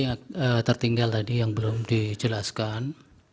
yang tertinggal tadi yang belum dijelaskan